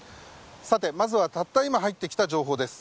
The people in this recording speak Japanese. まずはたった今入ってきた情報です。